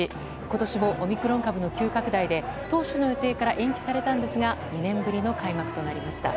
今年もオミクロン株の急拡大で当初の予定から延期されましたが２年ぶりの開幕となりました。